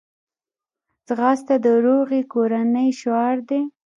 ځغاسته د روغې کورنۍ شعار دی